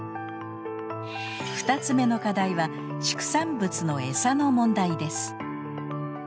２つ目の課題は畜産物のエサの問題です。